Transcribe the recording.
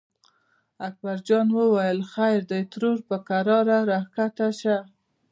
اکبر جان وویل: خیر دی ترور په کراره راکښته شه.